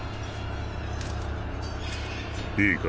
いいか？